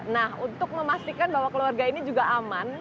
nah untuk memastikan bahwa keluarga ini juga aman